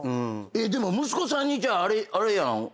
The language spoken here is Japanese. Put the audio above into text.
でも息子さんにあれやん。